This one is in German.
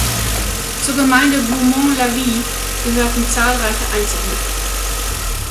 Zur Gemeinde Goumoens-la-Ville gehörten zahlreiche Einzelhöfe.